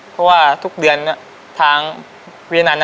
เพราะว่าทุกเดือนทางเวียนัน